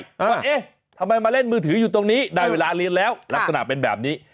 ว่าเอ๊ะทำไมมาเล่นมือถืออยู่ตรงนี้ได้เวลาเรียนแล้วลักษณะเป็นแบบนี้